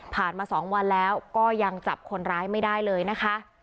มา๒วันแล้วก็ยังจับคนร้ายไม่ได้เลยนะคะ